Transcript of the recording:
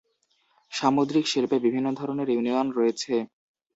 সামুদ্রিক শিল্পে বিভিন্ন ধরনের ইউনিয়ন রয়েছে।